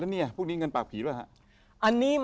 แล้วนี้พวกนี้เหมือนปากผีหรือเปล่าครับ